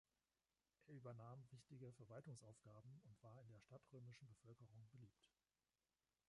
Er übernahm wichtige Verwaltungsaufgaben und war in der stadtrömischen Bevölkerung beliebt.